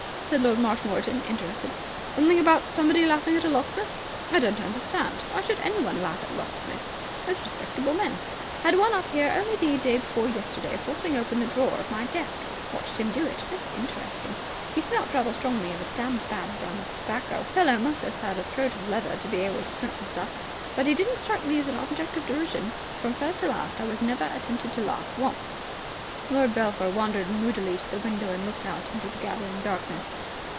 asked Lord Marshmoreton, interested. "Something about somebody laughing at a locksmith? I don't understand. Why should anyone laugh at locksmiths? Most respectable men. Had one up here only the day before yesterday, forcing open the drawer of my desk. Watched him do it. Most interesting. He smelt rather strongly of a damned bad brand of tobacco. Fellow must have a throat of leather to be able to smoke the stuff. But he didn't strike me as an object of derision. From first to last, I was never tempted to laugh once." Lord Belpher wandered moodily to the window and looked out into the gathering darkness.